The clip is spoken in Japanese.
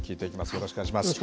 よろしくお願いします。